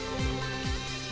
sampai jumpa lagi